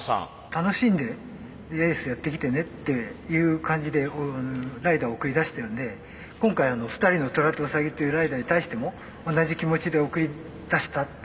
楽しんでレースやってきてねっていう感じでライダーを送り出してるんで今回２人のトラとウサギっていうライダーに対しても同じ気持ちで送り出したと。